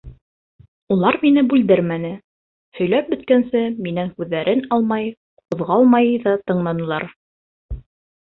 Улар мине бүлдермәне, һөйләп бөткәнсе минән күҙҙәрен алмай, ҡуҙғалмай ҙа тыңланылар.